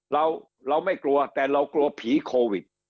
เราเราไม่กลัวแต่เรากลัวผีโควิด